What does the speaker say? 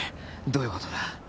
どういうことだ？